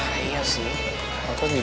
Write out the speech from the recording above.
kayak gini lah lebih enak kelihatannya